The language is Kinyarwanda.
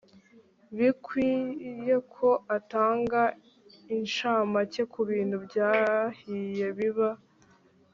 bikwiyeko itanga inshamake ku bintu byahiye biba